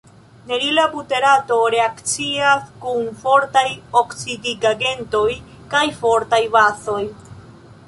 Nerila buterato reakcias kun fortaj oksidigagentoj kaj fortaj bazoj.